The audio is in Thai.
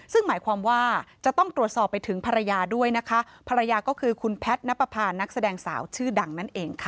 ซึ่งหมายความว่าจะต้องตรวจสอบไปถึงภรรยาด้วยนะคะภรรยาก็คือคุณแพทย์นับประพานักแสดงสาวชื่อดังนั่นเองค่ะ